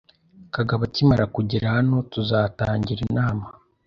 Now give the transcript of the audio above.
Kagabo akimara kugera hano, tuzatangira inama.